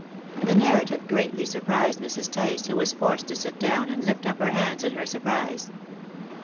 The narrative greatly surprised Mrs. Tice, who was forced to sit down and lift up her hands in her surprise.